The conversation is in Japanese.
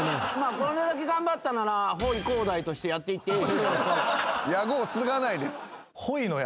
これだけ頑張ったならほい航大としてやっていってええ。